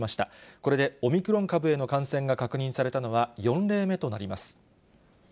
これでオミクロン株への感染が確認されたのは４例目となります。